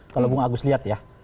kalau bung agus lihat ya